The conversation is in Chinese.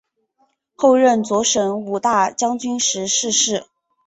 后任左神武大将军时逝世。